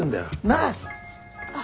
なあ。